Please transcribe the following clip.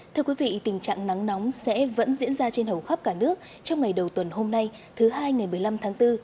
thưa quý vị tình trạng nắng nóng sẽ vẫn diễn ra trên hầu khắp cả nước trong ngày đầu tuần hôm nay thứ hai ngày một mươi năm tháng bốn